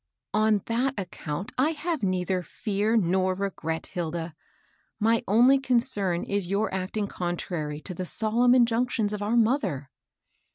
^^" On that account I have neither fear nor regret, Hilda ; my only concern is your acting contrary to the solemn injunctions of our mother."